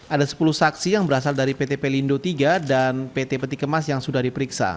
ada sepuluh saksi yang berasal dari pt pelindo iii dan pt peti kemas yang sudah diperiksa